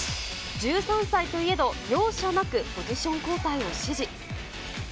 １３歳といえど、容赦なくポジション交代を指示。